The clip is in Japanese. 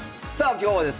今日はですね